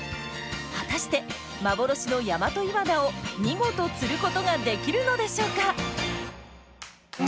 果たして幻のヤマトイワナを見事釣ることができるのでしょうか！？